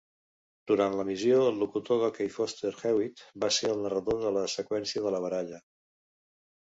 Durant l'emissió, el locutor d'hoquei Foster Hewitt va ser el narrador de la seqüència de la baralla.